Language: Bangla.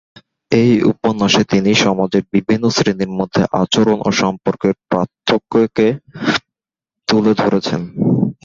এই উপন্যাসে তিনি সমাজের বিভিন্ন শ্রেণীর মধ্যে আচরণ ও সম্পর্কের পার্থক্যকে তুলে ধরেছেন।